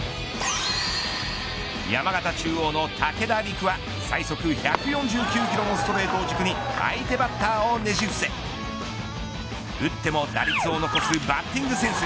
山形中央の武田陸玖は最速１４９キロのストレートを軸に相手バッターをねじ伏せ打っても打率を残すバッティングセンス。